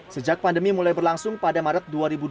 sejak pandemi mulai berlangsung pada maret dua ribu dua puluh